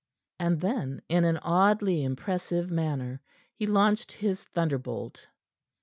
And then, in an oddly impressive manner, he launched his thunderbolt.